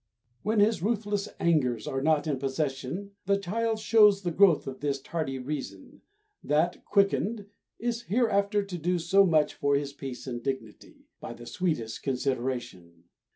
When his ruthless angers are not in possession the child shows the growth of this tardy reason that quickened is hereafter to do so much for his peace and dignity, by the sweetest consideration.